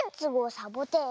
サボテン」は。